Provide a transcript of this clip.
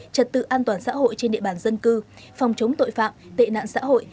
trật tự an toàn xã hội trên địa bàn dân cư phòng chống tội phạm tệ nạn xã hội